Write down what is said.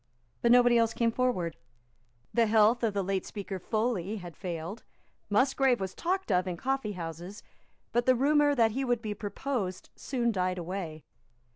But nobody else came forward. The health of the late Speaker Foley had failed. Musgrave was talked of in coffeehouses; but the rumour that he would be proposed soon died away.